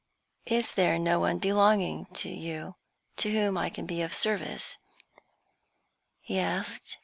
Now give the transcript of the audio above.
"Is there no one belonging to you to whom I can be of service?" he asked.